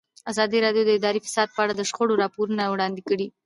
ازادي راډیو د اداري فساد په اړه د شخړو راپورونه وړاندې کړي.